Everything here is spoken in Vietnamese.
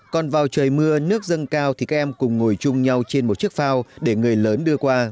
còn vào trời mưa nước dâng cao thì các em cùng ngồi chung nhau trên một chiếc phao để người lớn đưa qua